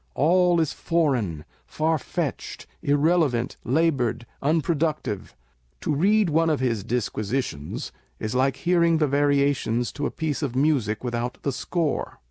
All is foreign, farfetched, irrelevant, laboured, unpro ductive. To read one of his disquisitions is like hearing the variations to a piece of music without the score.